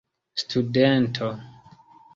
studento